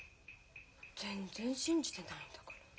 全然信じてないんだから。